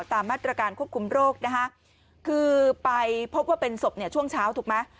ตามมาตรการควบคุมโรคนะคะคือไปพบว่าเป็นศพเนี่ยช่วงเช้าถูกไหม